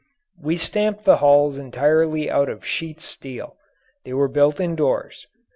We stamped the hulls entirely out of sheet steel. They were built indoors.